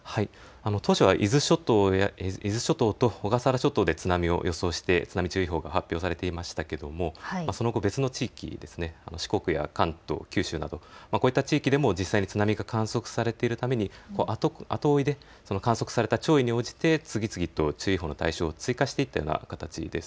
当初は伊豆諸島と小笠原諸島で津波を予想して津波注意報が発表されていましたけれどもその後、別の地域、四国や関東、九州などこういった地域でも実際に津波が観測されているために後追いで観測された潮位に応じて次々と注意報の対象を追加していったような形です。